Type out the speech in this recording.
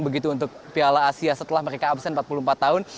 begitu untuk piala asia setelah mereka absen empat puluh empat tahun